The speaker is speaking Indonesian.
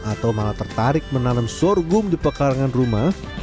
atau malah tertarik menanam sorghum di pekarangan rumah